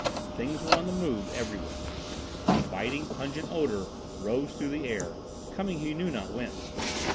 Things were on the move everywhere. A biting, pungent odour rose through the air, coming he knew not whence.